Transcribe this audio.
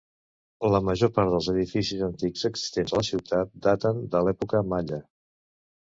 La major part dels edificis antics existents a la ciutat daten de l'època Malla.